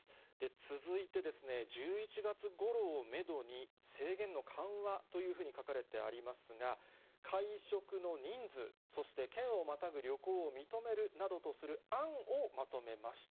続いて、１１月ごろをメドに制限の緩和というふうに書かれてありますが、会食の人数、そして県をまたぐ旅行を認めるなどとする案をまとめました。